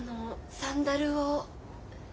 サンダル？